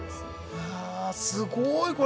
わあすごいこれ！